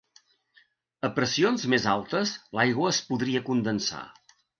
A pressions més altes l'aigua es podria condensar.